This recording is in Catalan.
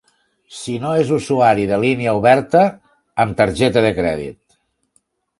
Si no és usuari de línia oberta, amb targeta de crèdit.